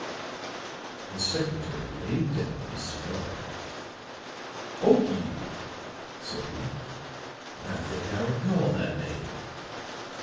The secretary laid down his cigar. "Okiu!" said he. "I think I recall that name."